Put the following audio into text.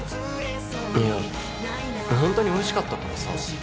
いや本当においしかったからさ。